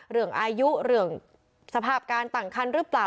เหลืองอายุเหลืองสภาพการต่างคันรึเปล่า